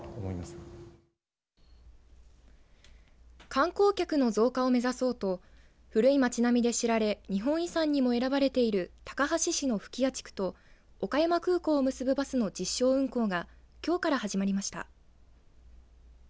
観光客の増加を目指そうと古い町並みで知られ日本遺産にも選ばれている高梁市の吹屋地区と岡山空港を結ぶバスの実証運行がきょうから始まりました。